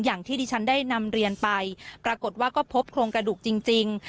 อย่างที่ดิฉันได้นำเรียนไปปรากฏว่าก็พบโครงกระดูกจริง